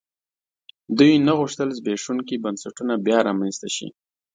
دوی نه غوښتل زبېښونکي بنسټونه بیا رامنځته شي.